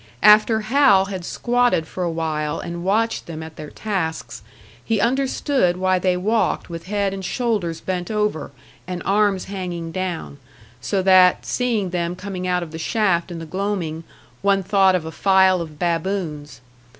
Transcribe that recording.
After Hal had squatted for a while and watched them at their tasks, he understood why they walked with head and shoulders bent over and arms hanging down, so that, seeing them coming out of the shaft in the gloaming, one thought of a file of baboons.